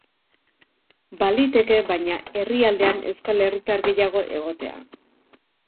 Baliteke, baina, herrialdean euskal herritar gehiago egotea.